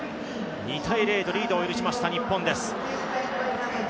２−０とリードを許しました日本です。